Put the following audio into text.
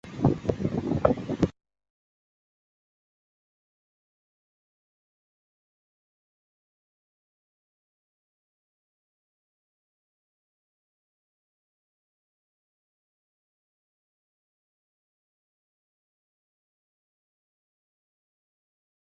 他在认信文中对于新教做出一些让步。